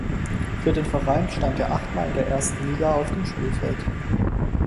Für den Verein stand er achtmal in der ersten Liga auf dem Spielfeld.